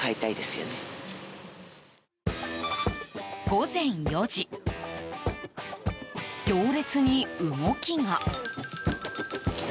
午前４時、行列に動きが。